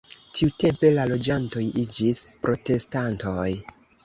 Tiutempe la loĝantoj iĝis protestantoj.